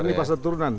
apalagi pasal turunan